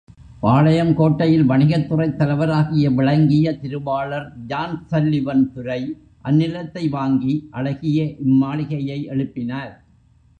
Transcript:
பாளையங்கோட்டையில் வணிகத்துறைத் தலைவராக விளங்கிய திருவாளர் ஜான்சல்லிவன் துரை, அந்நிலத்தை வாங்கி அழகிய இம்மாளிகையை எழுப்பினார்.